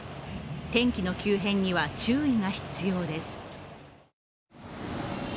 天気の急変には注意が必要です。